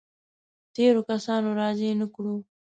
تېرو کسانو راجع نه کړو.